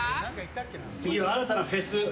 次は新たなフェス。